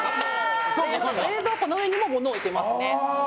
冷蔵庫の上にも物を置いてますね。